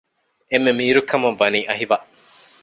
އެންމެ މީރު ކަމަށް ވަނީ އަހިވައް